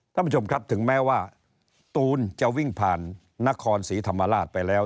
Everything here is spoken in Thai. ท่านผู้ชมครับถึงแม้ว่าตูนจะวิ่งผ่านนครศรีธรรมราชไปแล้ว